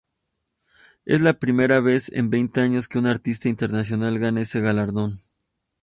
Es la primera vez en veinte años que un artista internacional gana ese galardón.